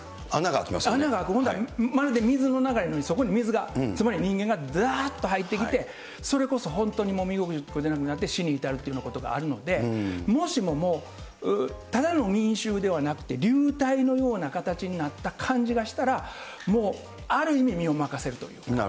穴が開く、水の流れのようにそこに水が、つまり人間がだーっと入ってきて、それこそ本当に身動きができなくなって、死に至るというようなことがあるので、もしももう、ただの民衆ではなくて、流体のような形になった感じがしたら、もう、ある意味、身を任せるというか。